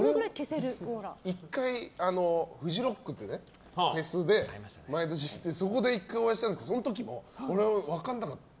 １回フジロックっていうフェスでお会いしたんですけどその時も俺、分からなかった。